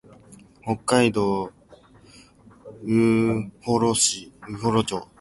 北海道羽幌町